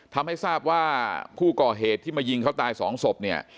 ทำให้ทราบว่าผู้ก่อเหตุที่มายิงเขาตายสองศพเนี่ย